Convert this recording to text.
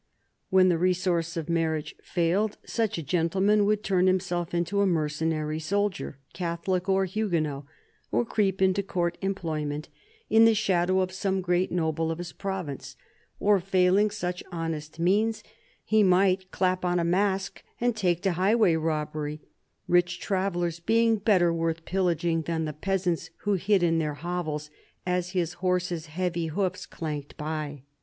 When the resource oj "^^^"^^^S", failed, such a gentleman would turn h^niself into a mer cenary soldier, Catholic or Huguenot, or creep into Court employment in the shadow of some great noble ot his Zvkice or failing such honest means, he might clap on fmask a'nd take to" highway robbery, rich travellers being better worth pillaging than the peasants who hid ui heir hovels as his horse's heavy hoofs clanked by.